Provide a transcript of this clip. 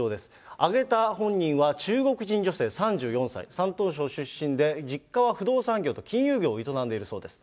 上げた本人は中国人女性、３４歳、山東省出身で、実家は不動産業と金融業を営んでいるそうです。